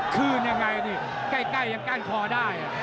คืนยังไงนี่ใกล้ยังก้านคอได้